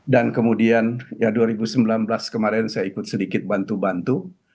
dan kemudian ya dua ribu sembilan belas kemarin saya ikut sedikit bantu bantu